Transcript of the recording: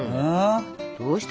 どうした？